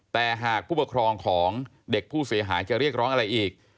แต่หากผู้ปกครองของเด็กผู้เสียหายจะเรียกร้องอะไรอีก